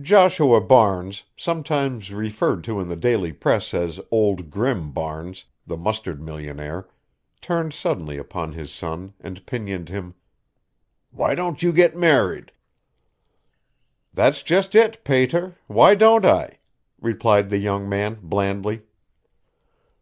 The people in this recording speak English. Joshua Barnes, sometimes referred to in the daily press as Old Grim Barnes, the mustard millionaire, turned suddenly upon his son and pinioned him: "Why don't you get married?" "That's just it, pater why don't I?" replied the young man, blandly.